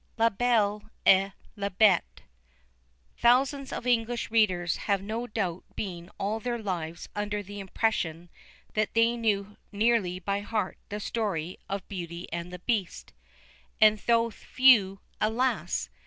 La Belle et la Bête. Thousands of English readers have no doubt been all their lives under the impression that they knew nearly by heart the story of Beauty and the Beast; and though few, alas!